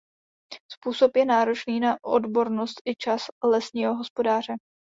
Způsob je náročný na odbornost i čas lesního hospodáře.